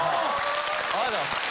・ありがとうございます。